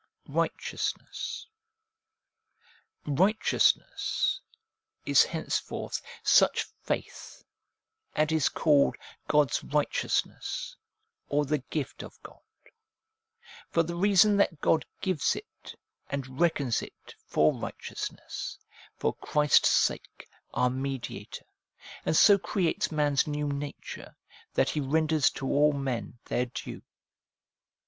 Righteousness. ' Righteousness ' is henceforth such faith, and is called God's righteousness, or the gift of God, for the reason that God gives it and reckons it for righteous ness, for Christ's sake, our Mediator, and so creates man's new nature, that he renders to all men their due.